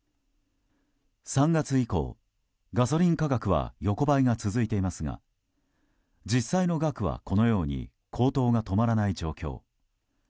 ３月以降、ガソリン価格は横ばいが続いていますが実際の額はこのように高騰が止まらない状況。